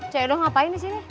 cik edo ngapain disini